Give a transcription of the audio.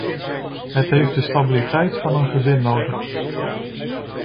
Het heeft de stabiliteit van een gezin nodig.